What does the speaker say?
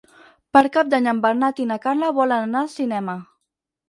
Per Cap d'Any en Bernat i na Carla volen anar al cinema.